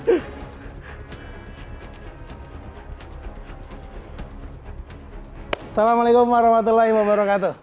assalamualaikum warahmatullahi wabarakatuh